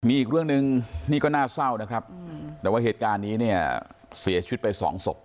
มีอีกเรื่องหนึ่งนี่ก็น่าเศร้านะครับแต่ว่าเหตุการณ์นี้เนี่ยเสียชีวิตไปสองศพ